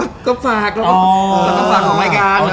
แล้วก็ฝาก๒รายการ